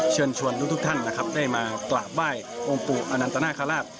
เชิญชวนทุกท่านนะครับได้มากราบไหว้องค์ปู่อนันตนาคาราช